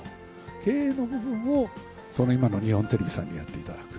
経営の部分を、今の日本テレビさんにやっていただく。